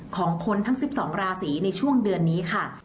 ของคนทั้ง๑๒ราศีในช่วงเดือนนี้ค่ะ